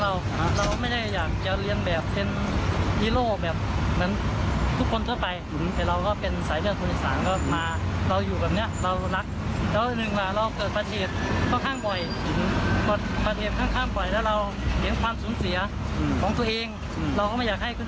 เราก็ไม่อยากให้คนอื่นสูญเสียเหมือนกับผม